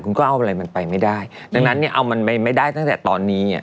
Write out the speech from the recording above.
คุณก็เอาอะไรมันไปไม่ได้ดังนั้นเนี่ยเอามันไปไม่ได้ตั้งแต่ตอนนี้